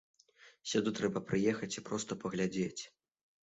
Сюды трэба прыехаць і проста паглядзець.